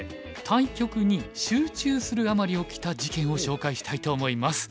対局に集中するあまり起きた事件を紹介したいと思います。